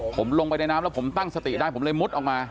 ผมลงไปในน้ำแล้วผมตั้งสติได้ผมเลยมุดออกมา